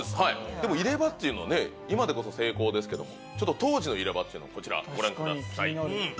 でも入れ歯っていうのは今でこそ精巧ですけども当時の入れ歯こちらご覧ください。